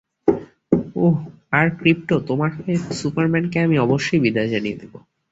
ওহ, আর ক্রিপ্টো, তোমার হয়ে সুপারম্যানকে আমি অবশ্যই বিদায় জানিয়ে দিবো।